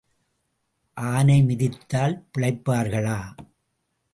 ஆனை மிதித்தால் பிழைப்பார்களா?